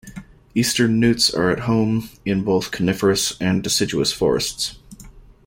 Eastern newts are at home in both coniferous and deciduous forests.